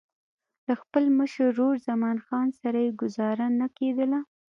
له خپل مشر ورور زمان خان سره یې ګوزاره نه کېدله.